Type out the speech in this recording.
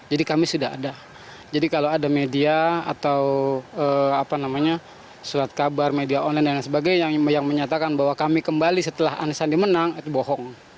jadi kami sudah ada jadi kalau ada media atau surat kabar media online dan lain sebagainya yang menyatakan bahwa kami kembali setelah anisandi menang itu bohong